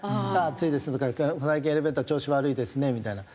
「暑いです」とか「最近エレベーター調子悪いですね」みたいな。